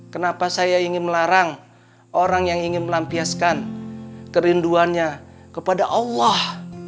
kenapa saya ingin melarang orang yang ingin melampiaskan kerinduannya kepada allah